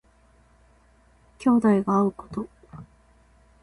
兄弟が会うこと。